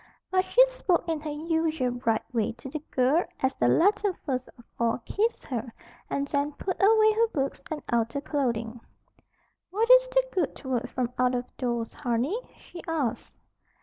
But she spoke in her usual bright way to the girl as the latter first of all kissed her and then put away her books and outer clothing. "What is the good word from out of doors, honey?" she asked.